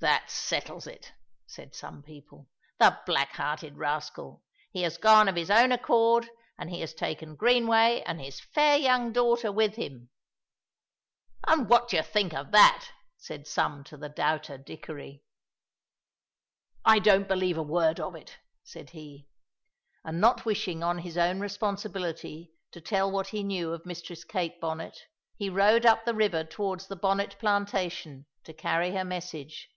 "That settles it!" said some people. "The black hearted rascal! He has gone of his own accord, and he has taken Greenway and his fair young daughter with him." "And what do you think of that!" said some to the doubter Dickory. "I don't believe a word of it!" said he; and not wishing on his own responsibility to tell what he knew of Mistress Kate Bonnet, he rowed up the river towards the Bonnet plantation to carry her message.